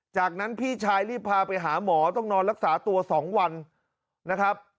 จากนั้นพี่ชายรีบพาไปหาหมอต้องนอนรักษาตัว๒วันนะครับ